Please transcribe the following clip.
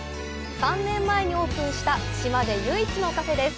３年前にオープンした島で唯一のカフェです。